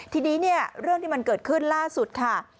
ทีนี้เนี่ยเรื่องที่มันเกิดขึ้นล่าสุดค่ะ